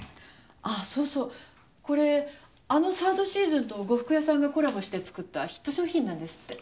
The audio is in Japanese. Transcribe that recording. ああそうそうこれあのサードシーズンと呉服屋さんがコラボして作ったヒット商品なんですって。